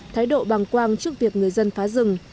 thái độ bàng quang trước việc người dân phá rừng